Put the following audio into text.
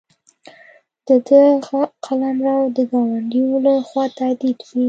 د ده قلمرو د ګاونډیو له خوا تهدید وي.